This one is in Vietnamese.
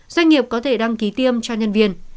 doanh nghiệp có thể đăng ký tiêm cho nhân viên